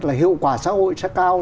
là hiệu quả xã hội sẽ cao